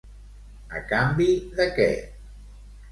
A canvi de què?